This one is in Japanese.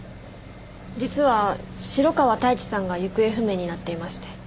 実は城川太一さんが行方不明になっていまして。